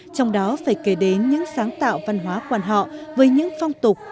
trong đó phải kể đến những sáng tạo văn hóa quan họ với những phong tục